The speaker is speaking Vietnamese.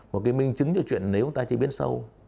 một cái minh chứng cho chuyện nếu ta chế biến sâu